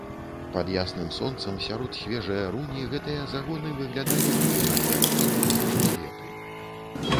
Пад ясным сонцам, сярод свежае руні гэтыя загоны выглядалі нудна, як кінутыя шкілеты.